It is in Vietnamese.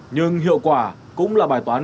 nhưng hiệu quả cũng là bài toán